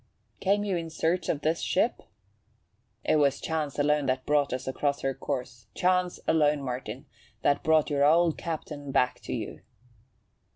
"Came you in search of this ship?" "It was chance alone that brought us across her course. Chance alone, Martin, that brought your old captain back to you."